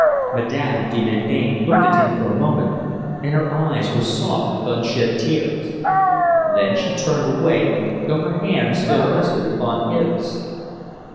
Madame de Melbain looked at him for a moment, and her eyes were soft with unshed tears. Then she turned away, though her hand still rested upon his.